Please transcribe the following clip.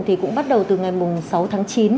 thì cũng bắt đầu từ ngày sáu tháng chín